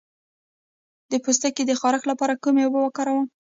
د پوستکي د خارښ لپاره کومې اوبه وکاروم؟